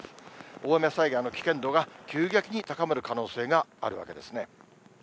大雨災害の危険度が急激に高まる可能性があるわけですね。